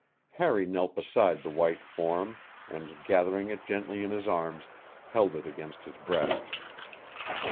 Harry knelt beside the white form and, gathering it gently in his arms, held it against his breast.